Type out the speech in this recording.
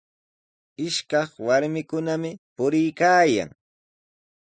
Ishakaq warmikunami puriykaayan.